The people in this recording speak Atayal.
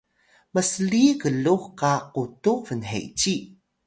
msli glux qa qutux bnheci